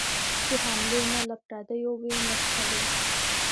چي حملې نه له پردیو وي نه خپلو